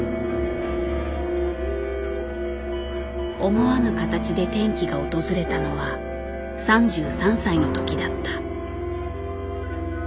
思わぬ形で転機が訪れたのは３３歳のときだった。